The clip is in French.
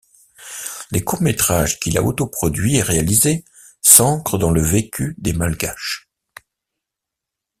Les courts-métrages qu’il a autoproduits et réalisés s’ancrent dans le vécu des Malgaches.